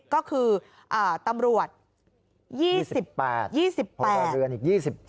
ก็คือตำรวจ๒๘๒๘เดือนอีก๒๗